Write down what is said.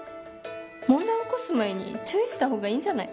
問題起こす前に注意した方がいいんじゃない？